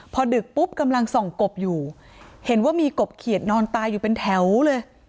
พอดึกปุ๊บกำลังส่องกบอยู่เห็นว่ามีกบเขียดนอนตายอยู่เป็นแถวเลย